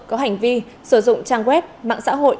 có hành vi sử dụng trang web mạng xã hội